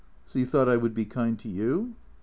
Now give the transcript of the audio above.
" So you thought I would be kind to you ?